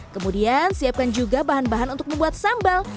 kemudian siapkan juga bahan bahan untuk membuat sambal